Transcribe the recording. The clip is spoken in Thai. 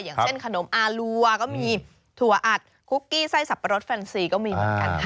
อย่างเช่นขนมอารัวก็มีถั่วอัดคุกกี้ไส้สับปะรดแฟนซีก็มีเหมือนกันค่ะ